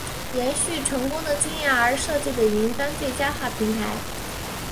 延续成功的经验而设计的云端最佳化平台。